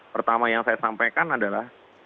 pertama yang saya sampaikan adalah